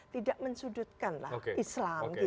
tidak mensudutkanlah islam